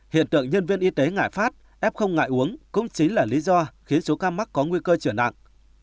hiện tượng nhân viên y tế ngại phát f ngại uống cũng chính là lý do khiến số cam mắc có nguy cơ chuyển nặng